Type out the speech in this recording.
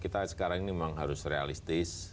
kita sekarang ini memang harus realistis